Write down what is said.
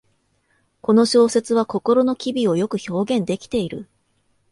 この小説は心の機微をよく表現できている